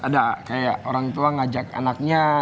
ada kayak orang tua ngajak anaknya